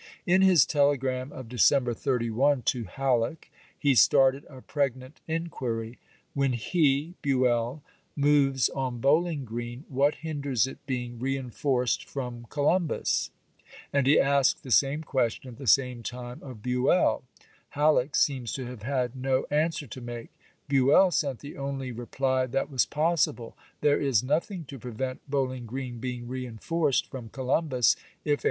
In his telegram chap. vi. of December 31 to Halleck, he started a pregnant inquiry. "When he [Buell] moves on Bowhng ^Haffik? Green, what hinders it being reenforced from Co i86if^w!R. Vol VII lumbus f " And he asked the same question at the pi 524. " same time of Buell. Halleck seems to have had no answer to make; Buell sent the only reply that was possible :" There is nothing to prevent Bowl ing Grreen being reenforced from Columbus if a ®